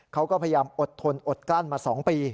เขาก็พยายามอดทนอดกลั้นมา๒ปี